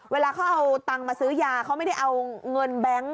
เวลาเขาเอาตังค์มาซื้อยาเขาไม่ได้เอาเงินแบงค์